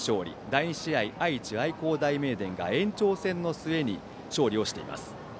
第２試合、愛知・愛工大名電が延長戦の末に勝利しています。